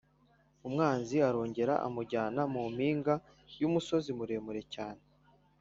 Umwanzi arongera amujyana mu mpinga y’umusozi muremure cyane